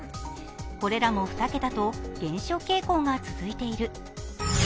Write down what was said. これらも２桁と減少傾向が続いている。